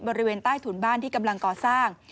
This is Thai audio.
บริเวณใต้ถุนบ้านที่กำลังก่อสร้าง